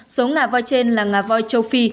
số hà vòi trên là hà vòi châu phi